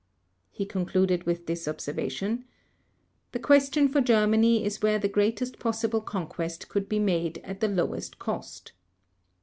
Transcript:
He concluded with this observation: "The question for Germany is where the greatest possible conquest could be made at the lowest cost."